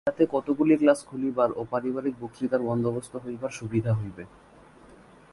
ইহাতে কতকগুলি ক্লাস খুলিবার ও পারিবারিক বক্তৃতার বন্দোবস্ত হইবার সুবিধা হইবে।